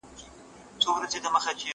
زه واښه نه راوړم!؟